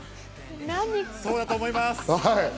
そうだと思います。